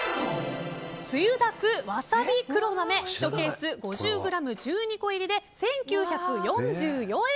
つゆだくわさび黒豆１ケース、５０ｇ１２個入りで１９４４円！